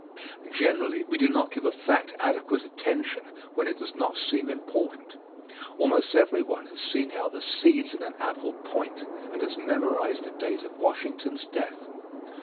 Generally we do not give a fact adequate attention when it does not seem important. Almost everyone has seen how the seeds in an apple point, and has memorized the date of Washington's death.